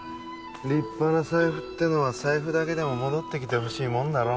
立派な財布ってのは財布だけでも戻ってきてほしいもんだろ？